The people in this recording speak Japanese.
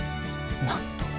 なんと。